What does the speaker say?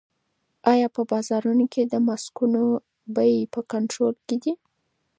آیا په بازارونو کې د ماسکونو بیې په کنټرول کې دي؟